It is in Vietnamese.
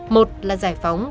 một là giải phóng